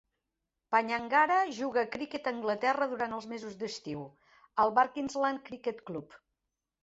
Panyangara juga a criquet a Anglaterra durant els mesos d'estiu, al Barkisland Cricket Club.